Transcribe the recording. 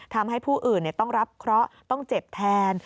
ทำให้ผู้อื่นต้องรับเคราะห์ต้องเจ็บแทน